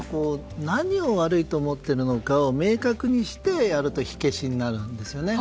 何を悪いと思っているのかを明確にしてやると火消しになるんですよね。